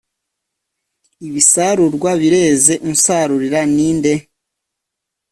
ibisarurwa bireze, unsarurira ni nde ?